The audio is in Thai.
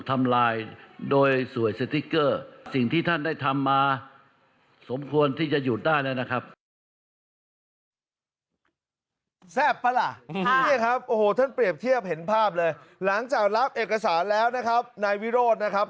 ที่ท่านได้ทำมาสมควรที่จะหยุดได้แล้วนะครับ